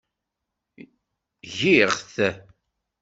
Giɣ-t.